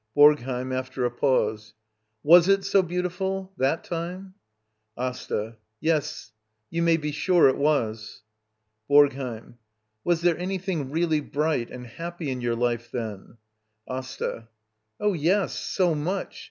BoRGHEiM. [After a pause.] fFas it so beauti ful ^ that time? AsTA. Yes, you may be sure it was. BoRGHEiM. Was there anything really bright and happy in your life then ? AsTA. Oh, yes; so much.